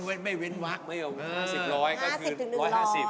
เว้นไม่เว้นวักไม่เอา